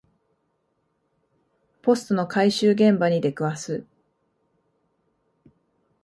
ポストの回収現場に出くわす